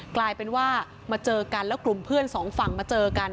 กลายเป็นว่ามาเจอกันแล้วกลุ่มเพื่อนสองฝั่งมาเจอกัน